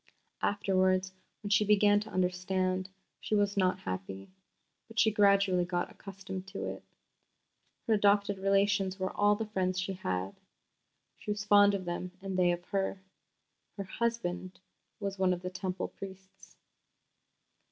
Afterwards, when she began to understand, she was not happy, but she gradually got accustomed to it. Her adopted relations were all the friends she had. She was fond of them and they of her. Her "husband" was one of the Temple priests.